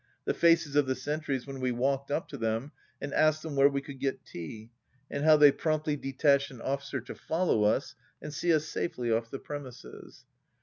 The faces of the sentries when we walked up to them and asked them where we could get tea, and how they promptly detached an officer to follow us and see us safely off the premises